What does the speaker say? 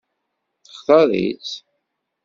Textaṛ-itt?